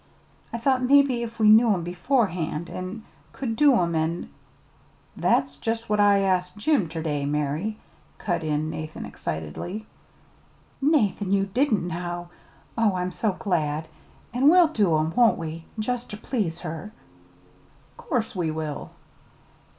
I thought mebbe if we knew 'em beforehand, an' could do 'em, an' " "That's jest what I asked Jim ter day, Mary," cut in Nathan excitedly. "Nathan, you didn't, now! Oh, I'm so glad! An' we'll do 'em, won't we? jest ter please her?" "'Course we will!"